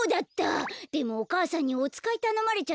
でもお母さんにおつかいたのまれちゃったんだよね。